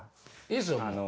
いいですよ。